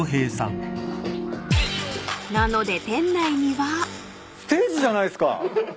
［なので店内には］ステージじゃないっすか。